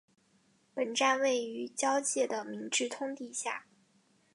本站位于与交界的明治通地下。